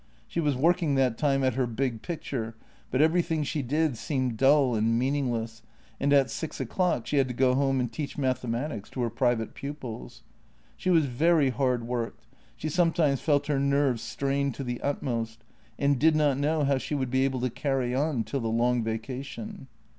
She was working that time at her big picture, but everything she did seemed dull and meaningless, and at six o'clock she had to go home and teach mathematics to her private pupils. She was very hard worked; she sometimes felt her nerves strained to the utmost, and did not know how she would be able to carry on till the long vacation.